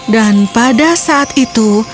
dan pada saat itu